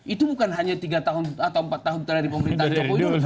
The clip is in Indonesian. itu bukan hanya tiga tahun atau empat tahun terakhir pemerintahan jokowi